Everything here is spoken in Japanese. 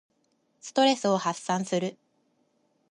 ストレスを発散する。